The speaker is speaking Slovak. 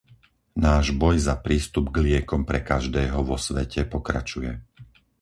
Náš boj za prístup k liekom pre každého vo svete pokračuje.